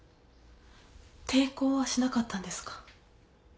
抵抗はしなかったんですか？